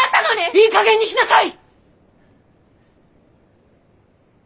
いいかげんにしなさい！